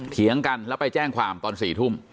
เถียงกันแล้วไปแจ้งความตอน๔ทุ่ม